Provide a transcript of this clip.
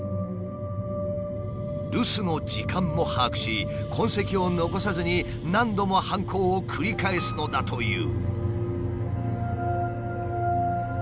留守の時間も把握し痕跡を残さずに何度も犯行を繰り返すのだという。